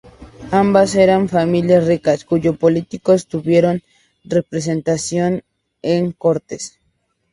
Ambas eran familias ricas, cuyos políticos tuvieron representación en Cortes.